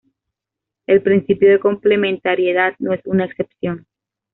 El principio de complementariedad no es una excepción.